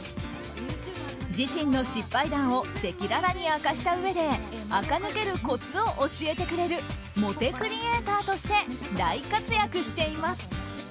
自身の失敗談を赤裸々に明かしたうえであか抜けるコツを教えてくれるモテクリエイターとして大活躍しています。